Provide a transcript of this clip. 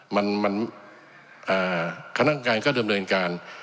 มันคณะการก็เริ่มเริ่มการ